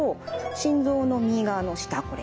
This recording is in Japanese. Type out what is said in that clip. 心臓の右側の下これ。